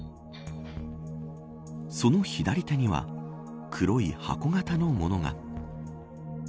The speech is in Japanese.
その左手には黒い箱型のものが。